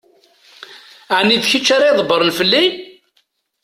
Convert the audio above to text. Ɛni d kečč ara ydebbṛen fell-i?